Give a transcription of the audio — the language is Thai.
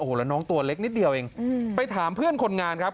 แล้วน้องตัวเล็กนิดเดียวเองไปถามเพื่อนคนงานครับ